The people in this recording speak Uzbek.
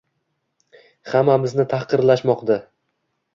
Hammamizni tahqirlashmoqda